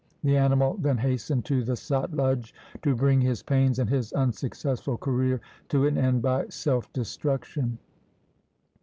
The animal then hastened to the Satluj to bring his pains and his unsuccessful career to an end by self destruction.